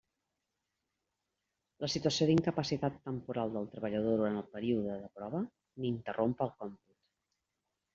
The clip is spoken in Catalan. La situació d'incapacitat temporal del treballador durant el període de prova n'interromp el còmput.